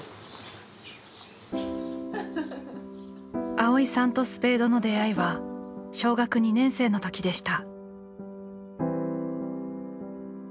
蒼依さんとスペードの出会いは小学２年生の時でした。